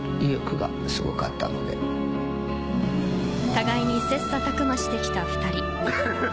互いに切磋琢磨してきた２人。